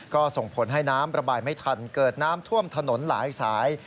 ก็ส่งผลให้น้ำระบายไม่ทันเกิดน้ำท่วมถนนหลายสาย